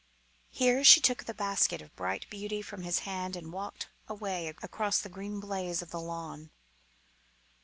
Here she took the basket of bright beauty from his hand and walked away across the green blaze of the lawn.